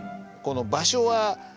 この場所は？